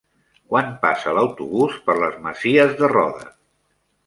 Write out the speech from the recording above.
Quan passa l'autobús per les Masies de Roda?